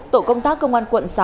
tổ công tác công an quận sáu